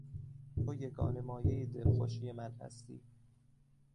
تو یگانه مایهی دلخوشی من هستی.